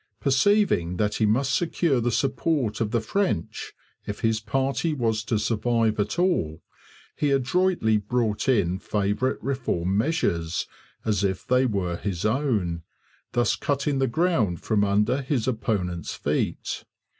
Perceiving that he must secure the support of the French if his party was to survive at all, he adroitly brought in favourite Reform measures as if they were his own, thus cutting the ground from under his opponents' feet.